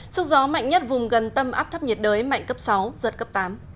sức gió mạnh nhất vùng gần tâm áp thấp nhiệt đới mạnh cấp sáu giật cấp tám